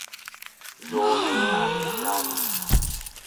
zoonii abiisaalii